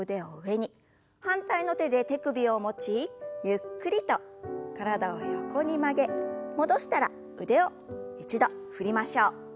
反対の手で手首を持ちゆっくりと体を横に曲げ戻したら腕を一度振りましょう。